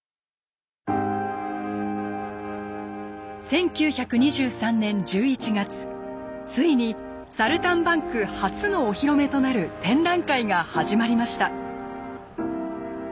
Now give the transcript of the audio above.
１９２３年１１月ついに「サルタンバンク」初のお披露目となる展覧会が始まりました。